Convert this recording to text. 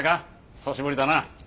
久しぶりだなあ。